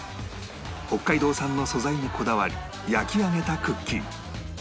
北海道産の素材にこだわり焼き上げたクッキー